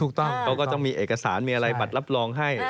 เขาก็จะมีเอกสารมีอะไรบัตรรับรองให้